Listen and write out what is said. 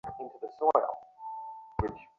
সেদিন সন্ধ্যার প্রাক্কালে তখনো প্রদীপ জ্বালানো হয় নাই।